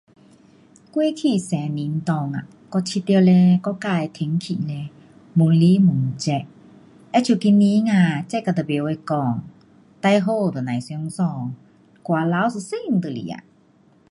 过去十年中我觉得国家的天气越来越热，今年热到不能说最好不用穿衣服汗流全身就是